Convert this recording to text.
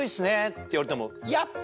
って言われても。